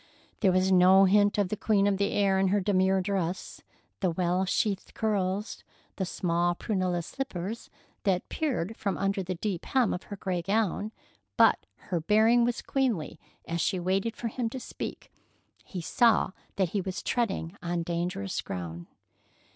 There was no hint of the queen of the air in her demure dress, the well sheathed curls, the small prunella slippers that peered from under the deep hem of her gray gown, but her bearing was queenly as she waited for him to speak. He saw that he was treading on dangerous ground.